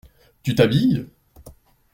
Tu t’habilles ?